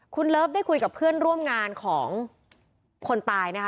คุณเลิฟได้คุยกับเพื่อนร่วมงานของคนตายนะคะ